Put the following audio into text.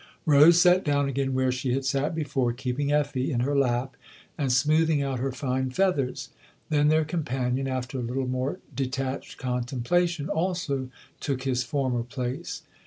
Rose sat down again where she had sat before, keeping Effie in her lap and smoothing out her fine feathers. Then their companion, after a little more detached contemplation, also took his former place.